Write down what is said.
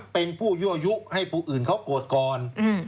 เป็นผู้ยั่วยุให้ผู้อื่นเขาโกรธก่อน